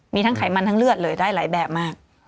มีทั้งไขมันทั้งเลือดเลยได้หลายแบบมาก